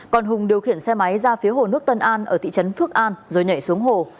còn hùng điều khiển xe máy ra phía hồ nước tân an ở thị trấn phước an rồi nhảy xuống hồ